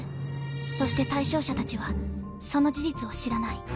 そして対象者たちはその事実を知らない。